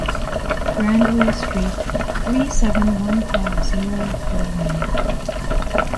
Grandlay street, three-seven-one-five-zero, Bléré.